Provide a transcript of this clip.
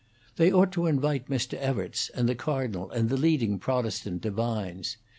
They ought to invite Mr. Evarts, and the Cardinal and the leading Protestant divines.